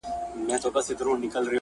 چي لېسيني نارینو و خپل نوم